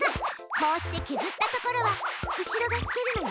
こうしてけずった所は後ろがすけるのよ。